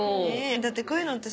だってこういうのって